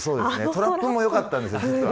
トラップもよかったです。